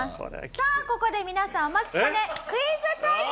さあここで皆さんお待ちかねクイズ対決！